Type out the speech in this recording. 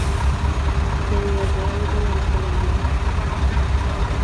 They were available in Colombia.